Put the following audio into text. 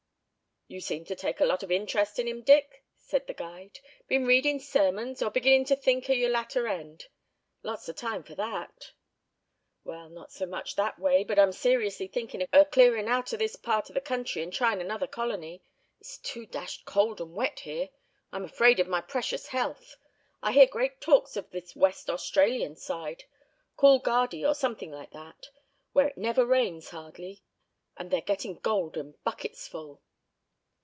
"You seem to take a lot of interest in him, Dick," said the guide. "Been readin' sermons, or beginnin' to think o' your latter end? Lots of time for that." "Well, not so much that way, but I'm seriously thinkin' o' clearin' out o' this part o' the country and tryin' another colony. It's too dashed cold and wet here. I'm afraid of my precious health. I hear great talks of this West Australian side—Coolgardie, or something like that—where it never rains, hardly, and they're getting gold in buckets' full."